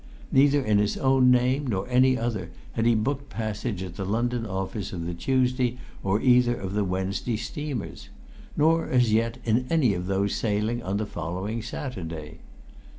Neither in his own name nor any other had he booked his passage at the London office of the Tuesday, or either of the Wednesday steamers, nor as yet in any of those sailing on the following Saturday.